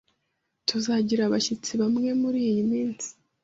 Tuzagira abashyitsi bamwe muriyi minsi